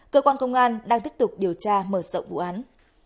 cơ quan công an đang tiếp tục điều tra mở rộng vụ án